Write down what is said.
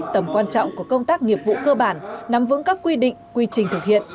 tầm quan trọng của công tác nghiệp vụ cơ bản nắm vững các quy định quy trình thực hiện